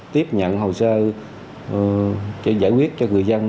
tiếp nhận hồ sơ giải quyết cho người dân